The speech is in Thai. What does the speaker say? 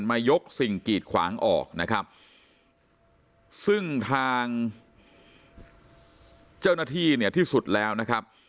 มายกสิ่งกีดขวางออกนะครับซึ่งทางเจ้าหน้าที่เนี่ยที่สุดแล้วนะครับ